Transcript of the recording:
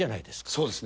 そうですね。